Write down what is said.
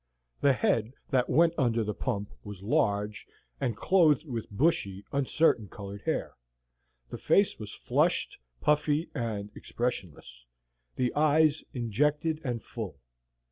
The head that went under the pump was large, and clothed with bushy, uncertain colored hair; the face was flushed, puffy, and expressionless, the eyes injected and full.